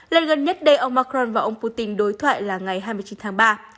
lần gần nhất đây ông macron và ông putin đối thoại là ngày hai mươi chín tháng ba